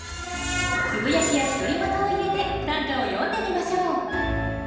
つぶやきや独り言を入れて短歌を詠んでみましょう。